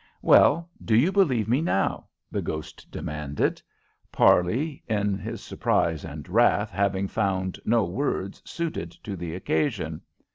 "Well, do you believe in me now?" the ghost demanded, Parley, in his surprise and wrath, having found no words suited to the occasion.